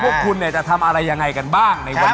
โชคความแม่นแทนนุ่มในศึกที่๒กันแล้วล่ะครับ